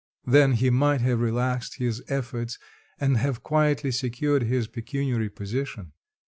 Then he might have relaxed his efforts and have quietly secured his pecuniary position.